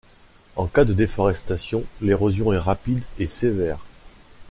En cas de déforestation, l'érosion est rapide et sévère.